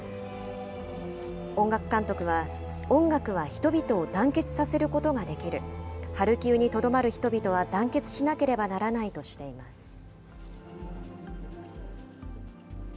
音楽監督は、音楽は人々を団結させることができる。ハルキウにとどまる人々は団結しなければならないとしています。